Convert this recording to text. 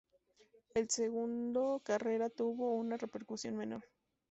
El segundo Carrera tuvo una repercusión menor.